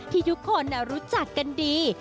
ที่ทุกคนรู้จักกันดี